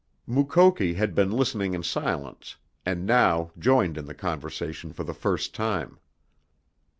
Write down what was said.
Mukoki had been listening in silence, and now joined in the conversation for the first time.